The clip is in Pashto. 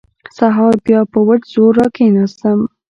سهار بيا په وچ زور راکښېناستم.